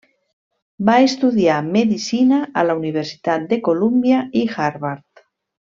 Va estudiar medicina a la Universitat de Colúmbia i Harvard.